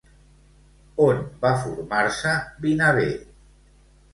On va formar-se, Vinaver?